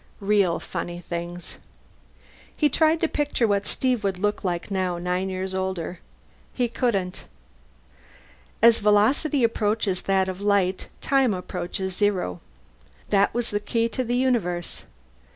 Real funny things. He tried to picture what Steve looked like now, nine years older. He couldn't. As velocity approaches that of light, time approaches zero. That was the key to the universe.